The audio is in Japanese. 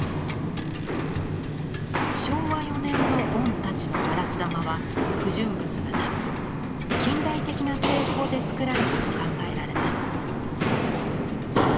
昭和４年の御太刀のガラス玉は不純物がなく近代的な製法で作られたと考えられます。